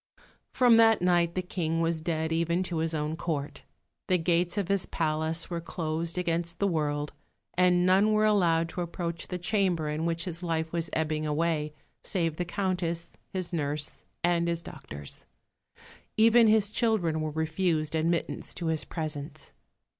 From that night the King was dead, even to his own Court. The gates of his palace were closed against the world, and none were allowed to approach the chamber in which his life was ebbing away, save the Countess, his nurse, and his doctors. Even his children were refused admittance to his presence.